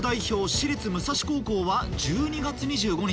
私立武蔵高校は「１２月２５日」。